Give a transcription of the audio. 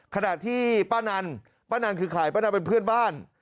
ขณะที่ป้านันป้านันคือใครป้านันเป็นเพื่อนบ้าน